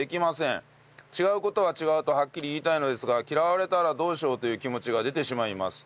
違う事は違うとはっきり言いたいのですが嫌われたらどうしようという気持ちが出てしまいます。